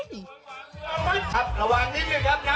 ครับระวังนิดหน่อยครับครับครับ